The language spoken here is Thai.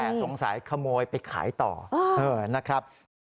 แต่สงสัยขโมยไปขายต่อนะครับ